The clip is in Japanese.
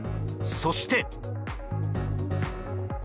そして。